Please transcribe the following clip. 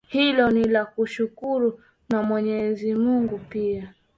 hilo ni la kushukuru na mwenyezi mungu pia